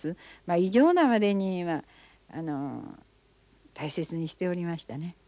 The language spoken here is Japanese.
異常なまでに大切にしておりましたね。